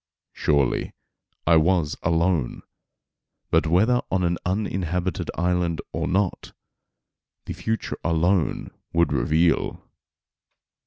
Surely I was alone; but whether on an uninhabited island or not, the future alone would reveal.